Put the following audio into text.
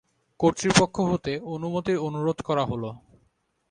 কর্তৃপক্ষ হতে অনুমতির অনুরোধ করা হলো।